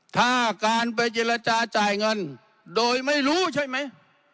ถ้าการไปเจรจาจ่ายเงินโดยไม่รู้ใช่ไหม